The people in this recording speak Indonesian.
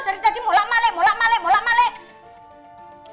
dari tadi mula malek mula malek